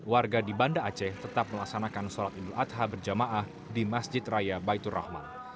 warga di banda aceh tetap melaksanakan sholat idul adha berjamaah di masjid raya baitur rahman